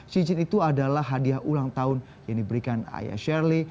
cincin itu adalah hadiah ulang tahun yang diberikan ayah shirley